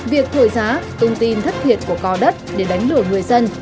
việc thổi giá thông tin thất thiệt của cò đất để đánh lửa người dân